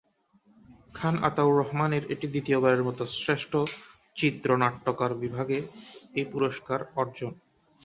খান আতাউর রহমানের এটি দ্বিতীয়বারের মত শ্রেষ্ঠ চিত্রনাট্যকার বিভাগে এই পুরস্কার অর্জন।